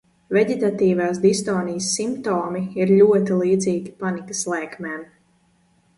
Veģetatīvās distonijas simptomi ir ļoti līdzīgi panikas lēkmēm.